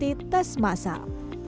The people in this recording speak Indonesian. a akan mengikuti tes masal